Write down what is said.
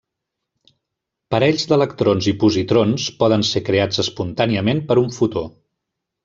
Parells d'electrons i positrons poden ser creats espontàniament per un fotó.